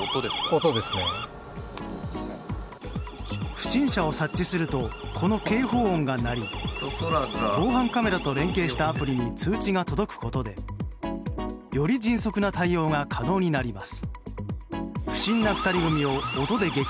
不審者を察知するとこの警報音が鳴り防犯カメラと連携したアプリに通知が届くことでより迅速な対応が可能になります。